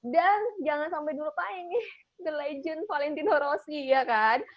dan jangan sampai dulu pahing the legend valentino rossi ya kan